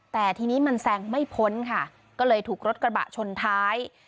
แต่ทีนี้มันแซงไม่พ้นค่ะก็เลยถูกรถกระบะชนท้าย